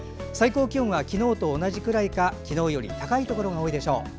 最高気温は昨日と同じくらいか昨日より高いところが多いでしょう。